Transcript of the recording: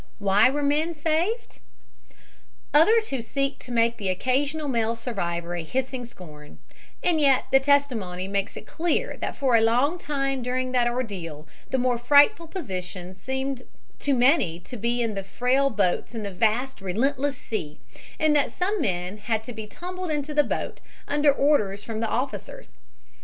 Why were men saved? ask: others who seek to make the occasional male survivor a hissing scorn; and yet the testimony makes it clear that for a long time during that ordeal the more frightful position seemed to many to be in the frail boats in the vast relentless sea, and that some men had to be tumbled into the boats under orders from the officers.